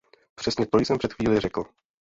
Přesně to jsem před chvílí řekl.